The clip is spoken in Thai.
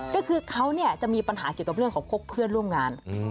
ก็คือเขาจะมีปัญหาเกี่ยวกับเรื่องของพวกเพื่อนร่วมงาน